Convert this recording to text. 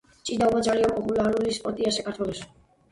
ჭიდაობა ძალიან პოპულარული სპორტია საქართველოში.